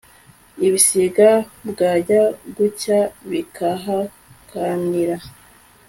ibisiga bwajya gucya bikahakanira